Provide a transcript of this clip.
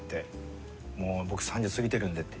「もう僕３０過ぎてるんで」って。